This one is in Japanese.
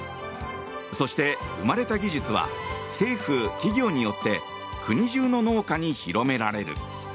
そして生まれた技術は政府・企業によって国中の農家に広められる。